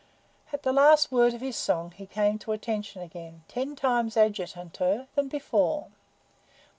At the last word of his song he came to attention again, ten times adjutaunter than before.